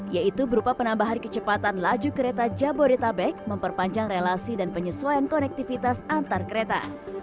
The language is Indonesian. yaitu berupa penambahan kecepatan laju kereta jabodetabek memperpanjang relasi dan penyesuaian konektivitas antar kereta